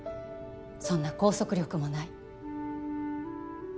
そんな拘束力もない